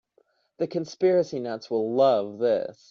The conspiracy nuts will love this.